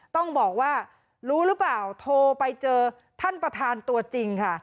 ต้องบอกว่ารู้หรือเปล่าโทรไปเจอท่านประธานตัวจริงค่ะ